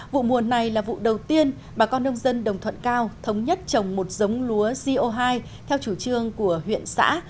vụ mùa này là vụ đầu tiên bà con nông dân đồng thuận cao thống nhất trồng một giống lúa co hai theo chủ trương của huyện xã